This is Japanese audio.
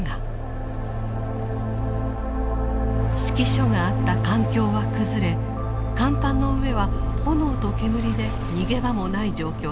指揮所があった艦橋は崩れ甲板の上は炎と煙で逃げ場もない状況でした。